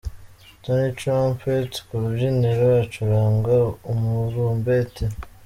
Tonny Trumpet ku rubyiniro acuranga umurumbeti.